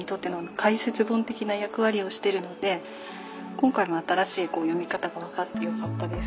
今回も新しい読み方が分かってよかったです。